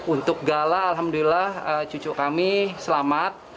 untuk gala alhamdulillah cucu kami selamat